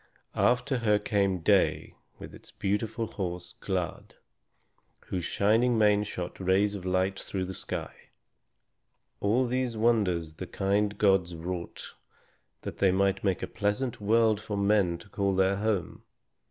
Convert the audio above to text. After her came Day with his beautiful horse, Glad, whose shining mane shot rays of light through the sky. All these wonders the kind gods wrought that they might make a pleasant world for men to call their home.